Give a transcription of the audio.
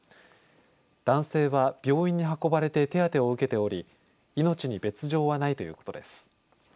男性は病院に運ばれて手当てを受けており命に別状はないということです。